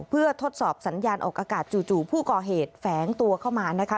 เพื่อทดสอบสัญญาณออกอากาศจู่ผู้ก่อเหตุแฝงตัวเข้ามานะคะ